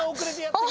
あっ